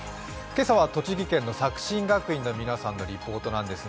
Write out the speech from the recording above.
今朝は栃木県の作新学院の皆さんのリポートなんです。